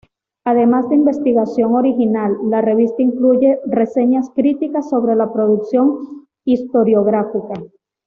Además de investigación original, la revista incluye reseñas críticas sobre la producción historiográfica.